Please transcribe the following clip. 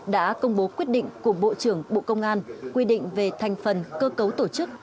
đã công bố quyết định của bộ trưởng bộ công an quy định về thành phần cơ cấu tổ chức